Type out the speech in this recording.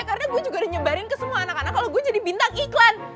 karena gue juga udah nyebarin ke semua anak anak kalo gue jadi bintang iklan